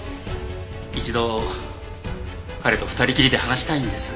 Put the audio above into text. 一度彼と二人きりで話したいんです。